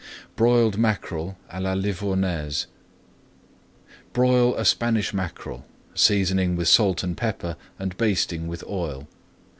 [Page 211] BROILED MACKEREL À LA LIVOURNAISE Broil a Spanish mackerel, seasoning with salt and pepper, and basting with oil.